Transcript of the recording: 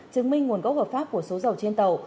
chứng minh nguồn gốc hợp pháp của số dầu trên tàu